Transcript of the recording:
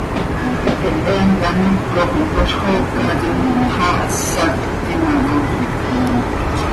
Hehe hant haníp cop ihpozxócatim, xaa hsaactim aha.